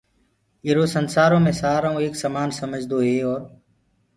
ايرو سنسآرو مي سآرآئو ايڪ سمآن سمجدوئي اور